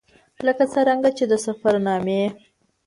ـ لکه څرنګه چې د سفر نامې